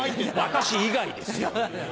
私以外ですよ。